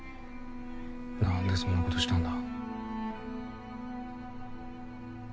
なんでそんなことしたんだ。